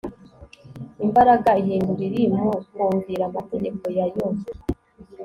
imbaraga ihindura iri mu kumvira amategeko ya Yo